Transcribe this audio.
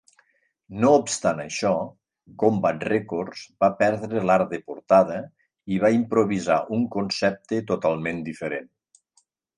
No obstant això, Combat Records va perdre l'art de portada i va improvisar un concepte totalment diferent.